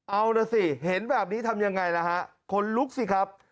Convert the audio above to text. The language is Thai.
เอาล่ะสิเห็นแบบนี้ทำยังไงล่ะฮะคนลุกสิครับ